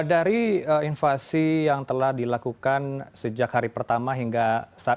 dari invasi yang telah dilakukan sejak hari pertama hingga saat ini